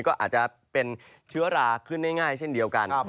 ก็อาจจะเป็นเชื้อราขึ้นได้ง่ายเช่นเดียวกัน